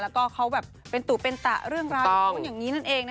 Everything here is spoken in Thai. แล้วก็เขาแบบเป็นตุเป็นตะเรื่องราวอย่างนู้นอย่างนี้นั่นเองนะ